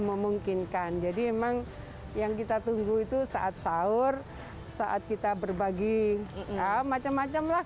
memungkinkan jadi memang yang kita tunggu itu saat sahur saat kita berbagi macam macam lah